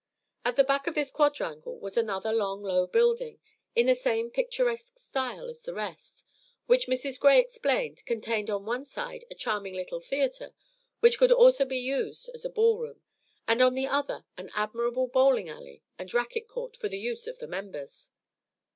At the back of this quadrangle was another long low building, in the same picturesque style as the rest, which, Mrs. Gray explained, contained on one side a charming little theatre which could also be used as a ball room, and on the other an admirable bowling alley and racket court for the use of the members.